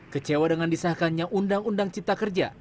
kecewa dengan disahkannya undang undang cipta kerja